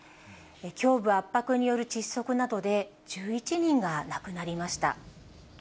胸部圧迫による窒息などで、１１人が亡くなりました。